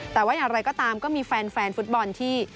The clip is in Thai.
แต่ว่าอย่างไรก็ตามก็มีแฟนฟุตบอลที่